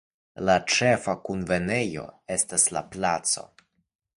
La ĉefa kunvenejo estas la Placo.